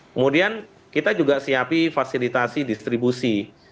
kemudian kita juga siapi fasilitasi distribusi